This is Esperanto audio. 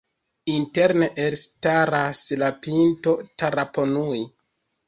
Interne elstaras la pinto Taraponui.